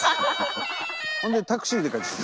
それでタクシーで帰ってきた。